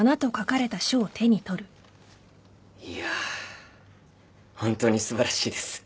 いやあ本当に素晴らしいです。